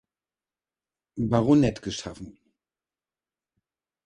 Baronet geschaffen.